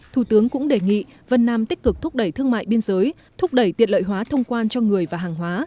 thủ tướng cũng đề nghị vân nam tích cực thúc đẩy thương mại biên giới thúc đẩy tiện lợi hóa thông quan cho người và hàng hóa